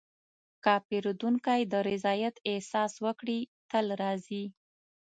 که پیرودونکی د رضایت احساس وکړي، تل راځي.